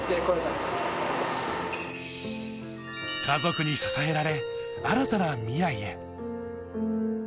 家族に支えられ、新たな未来へ。